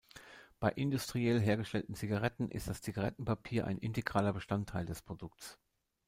Bei industriell hergestellten Zigaretten ist das Zigarettenpapier ein integraler Bestandteil des Produktes.